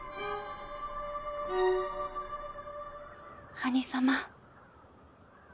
兄様。